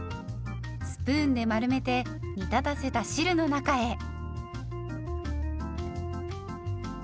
スプーンで丸めて煮立たせた汁の中へ。